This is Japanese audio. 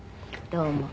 どうも。